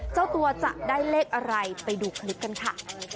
เจ้าตัวจะได้เลขอะไรไปดูคลิปกันค่ะ